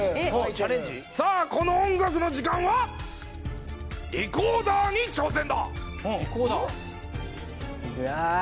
さあ、この音楽の時間はリコーダーに挑戦だ！